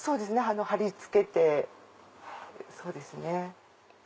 張り付けてそうですね。